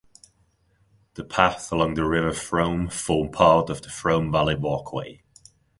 The paths along the River Frome form part of the Frome Valley Walkway.